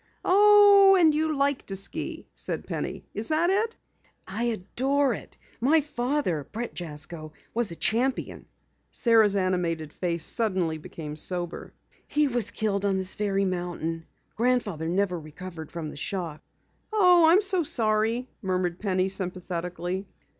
"Oh, and you like to ski," said Penny, "is that it?" "I adore it! My father, Bret Jasko, was a champion." Sara's animated face suddenly became sober. "He was killed on this very mountain. Grandfather never recovered from the shock." "Oh, I'm so sorry," murmured Penny sympathetically.